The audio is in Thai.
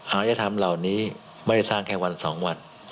อายธรรมเหล่านี้ไม่ได้สร้างแค่วัน๒วัน